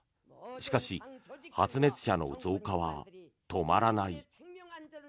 しかし、発熱者の増加は止まらない。